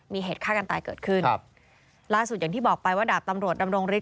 มีเหตุฆ่ากันตายเกิดขึ้นครับล่าสุดอย่างที่บอกไปว่าดาบตำรวจดำรงฤท